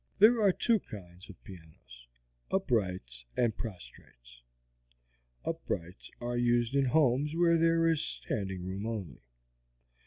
There are two kinds of pianos uprights and prostrates. Uprights are used in homes where there is standing room only.